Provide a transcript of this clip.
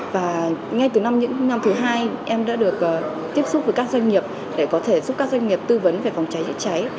và ngay từ những năm thứ hai em đã được tiếp xúc với các doanh nghiệp để có thể giúp các doanh nghiệp tư vấn về phòng cháy chữa cháy